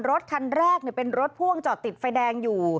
รถคันแรกเป็นรถพ่วงจอดติดไฟแดงอยู่